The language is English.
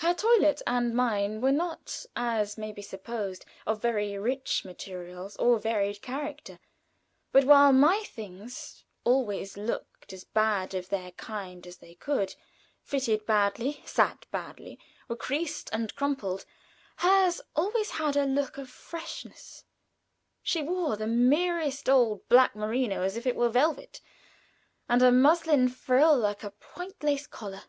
Her toilet and mine were not, as may be supposed, of very rich materials or varied character; but while my things always looked as bad of their kind as they could fitted badly, sat badly, were creased and crumpled hers always had a look of freshness; she wore the merest old black merino as if it were velvet, and a muslin frill like a point lace collar.